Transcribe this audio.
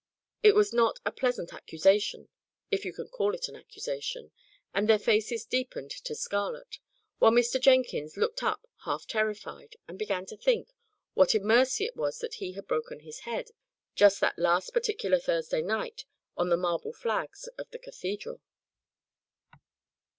It was not a pleasant accusation if you can call it an accusation and their faces deepened to scarlet; while Mr. Jenkins looked up half terrified, and began to think, what a mercy it was that he had broken his head, just that last particular Thursday night, on the marble flags of the cathedral.